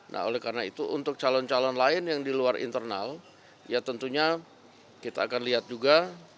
nah oleh karena itu untuk calon calon lain yang di luar internal ya tentunya kita akan lihat juga